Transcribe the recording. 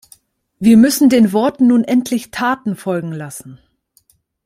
Wir müssen den Worten nun endlich Taten folgen lassen.